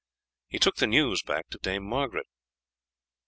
He took the news back to Dame Margaret.